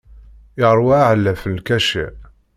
Yeṛwa aɛlaf n lkacir.